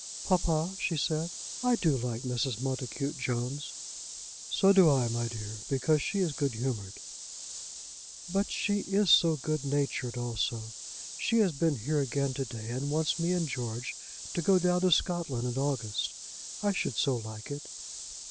"Papa," she said, "I do like Mrs. Montacute Jones." "So do I, my dear, because she is good humoured." "But she is so good natured also! She has been here again to day and wants me and George to go down to Scotland in August. I should so like it."